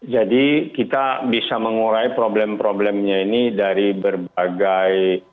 jadi kita bisa mengurai problem problemnya ini dari berbagai